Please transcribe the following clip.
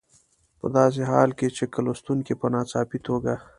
په داسې حال کې چې که لوستونکي په ناڅاپي توګه.